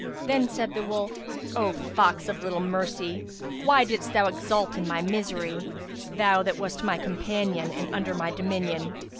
Then said the wolf, "O fox of little mercy, why didst thou exult in my misery, thou that wast my companion and under my dominion?